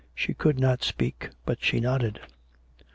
She could not speak, but she nodded.